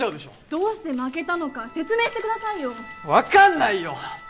どうして負けたのか説明してくださいよ分かんないよ！